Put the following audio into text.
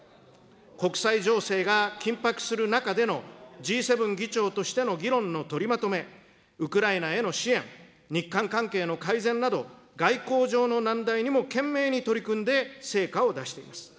国際情勢が緊迫する中でのＧ７議長としての議論の取りまとめ、ウクライナへの支援、日韓関係の改善など、外交上の難題にも懸命に取り組んで成果を出しています。